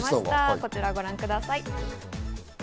こちらをご覧ください。